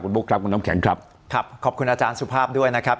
บุ๊คครับคุณน้ำแข็งครับครับขอบคุณอาจารย์สุภาพด้วยนะครับ